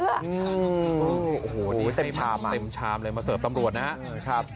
โอ้โหนี่เต็มชามเต็มชามเลยมาเสิร์ฟตำรวจนะครับ